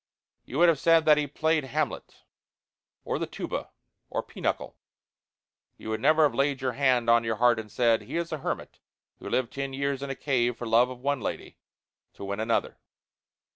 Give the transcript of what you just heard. You would have said that he played Hamlet or the tuba or pinochle you would never have laid your hand on your heart and said: "He is a hermit who lived ten years in a cave for love of one lady to win another."